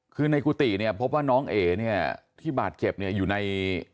คือในกุฏิเนี่ยพบว่าน้องเอ๋เนี่ยที่บาดเจ็บเนี่ยอยู่ใน